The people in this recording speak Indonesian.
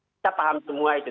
kita paham semua itu